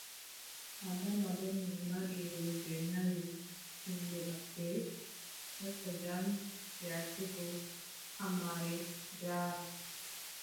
Adama ɗonno mari rewɓe nayo inɗe maɓɓe: Sata Jam, Yasebo, Hammare, Jaara.